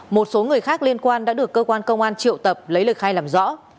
một số người khác liên quan đã được cơ quan công an triệu tập lấy lời khai làm rõ